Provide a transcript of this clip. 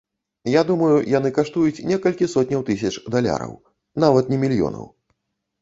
Я думаю, яны каштуюць некалькі сотняў тысяч даляраў, нават не мільёнаў.